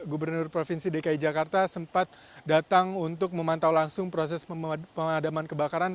gubernur provinsi dki jakarta sempat datang untuk memantau langsung proses pemadaman kebakaran